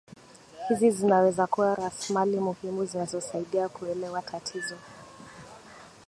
hizi zinaweza kuwa rasmali muhimu zinazosaidia kuelewa tatizo